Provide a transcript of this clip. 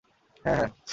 হ্যা, হ্যা।